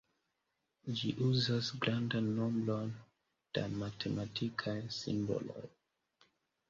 Ĝi uzas grandan nombron da matematikaj simboloj.